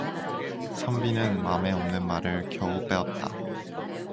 선비는 맘에 없는 말을 겨우 빼었다.